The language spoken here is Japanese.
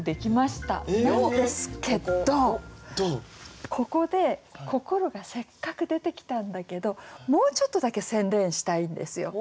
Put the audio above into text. なんですけどここで「心」がせっかく出てきたんだけどもうちょっとだけ洗練したいんですよ。